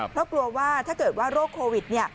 เพราะกลัวว่าถ้าเกิดว่าโรคโควิด